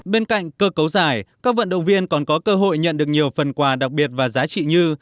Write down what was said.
bên cạnh cơ cấu giải các vận động viên còn có cơ hội nhận được nhiều phần quà đặc biệt và giá trị như